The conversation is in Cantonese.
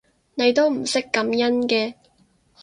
你都唔識感恩嘅